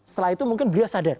setelah itu mungkin beliau sadar